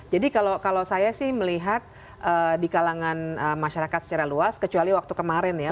jadi kalau saya sih melihat di kalangan masyarakat secara luas kecuali waktu kemarin ya